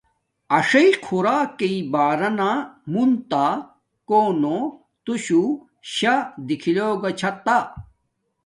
ایشی خوراکݵ بارانا مونتا کونو توشوہ شاہ دکھلوگا چھاتا۔